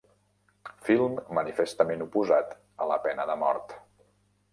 Film manifestament oposat a la pena de mort.